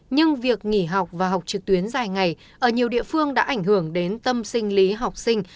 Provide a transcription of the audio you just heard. nhưng việc nghỉ học và học trực tuyến dài ngày ở nhiều địa phương đã ảnh hưởng đến tâm sinh lý học sinh